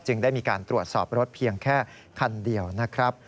ได้มีการตรวจสอบรถเพียงแค่คันเดียวนะครับ